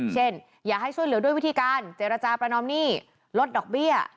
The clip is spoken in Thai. อย่าให้ช่วยเหลือด้วยวิธีการเจรจาประนอมหนี้ลดดอกเบี้ย